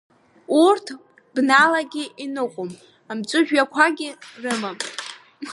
Урҭ бналагьы иныҟәом, амҵәыжәҩақәагьы рымам.